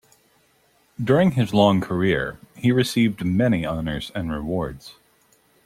During his long career, he received many honours and awards.